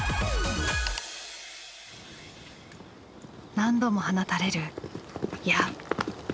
何度も放たれる矢。